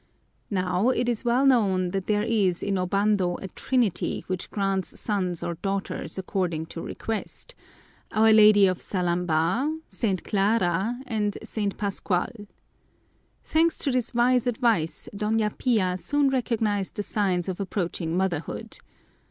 Now it is well known that there is in Obando a trinity which grants sons or daughters according to request Our Lady of Salambaw, St. Clara, and St. Pascual. Thanks to this wise advice, Doña Pia soon recognized the signs of approaching motherhood.